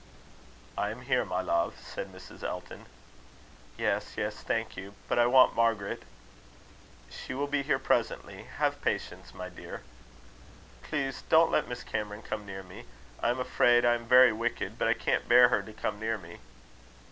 "I am here, my love," said Mrs. Elton. "Yes, yes; thank you. But I want Margaret." "She will be here presently. Have patience, my dear." "Please, don't let Miss Cameron come near me. I am afraid I am very wicked, but I can't bear her to come near me."